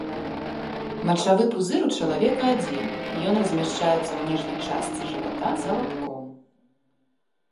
Мачавы пузыр у чалавека адзін, ён размяшчаецца ў ніжняй частцы жывата за лабком.